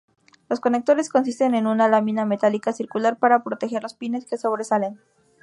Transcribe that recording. Los conectores consisten en una lámina metálica circular para proteger los pines que sobresalen.